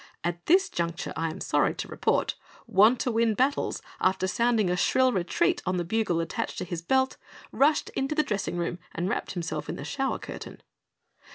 At this juncture, I am sorry to report, Wantowin Battles, after sounding a shrill retreat on the bugle attached to his belt, rushed into the dressing room and wrapped himself in the shower curtain.